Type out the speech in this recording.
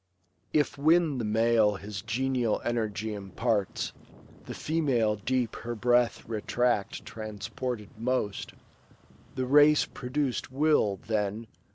If when the male his genial energy Imparts, the female deep her breath retract Transported most, the race produc'd will, then.